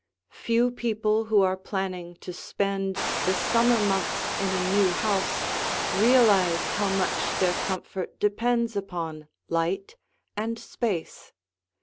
Few people who are planning to spend the summer months in a new house realize how much their comfort depends upon light and space.